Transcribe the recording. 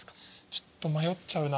ちょっと迷っちゃうな。